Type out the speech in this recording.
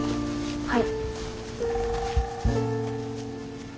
はい。